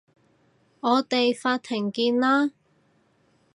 我哋法庭見啦